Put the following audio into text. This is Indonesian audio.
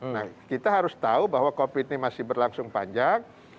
nah kita harus tahu bahwa covid ini masih berlangsung panjang